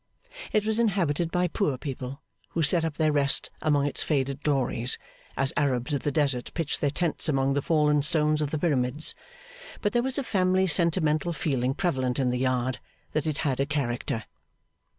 It was inhabited by poor people, who set up their rest among its faded glories, as Arabs of the desert pitch their tents among the fallen stones of the Pyramids; but there was a family sentimental feeling prevalent in the Yard, that it had a character.